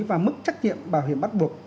và mức trách nhiệm bảo hiểm bắt buộc